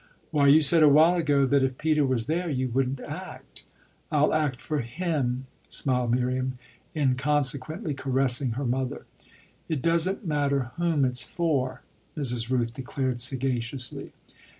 "Why you said a while ago that if Peter was there you wouldn't act." "I'll act for him," smiled Miriam, inconsequently caressing her mother. "It doesn't matter whom it's for!" Mrs. Rooth declared sagaciously.